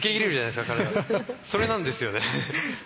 それなんですよね。